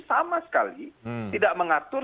sama sekali tidak mengatur